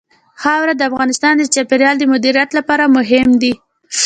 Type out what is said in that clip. خاوره د افغانستان د چاپیریال د مدیریت لپاره مهم دي.